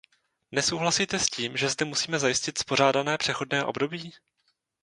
Nesouhlasíte s tím, že zde musíme zajistit spořádané přechodné období?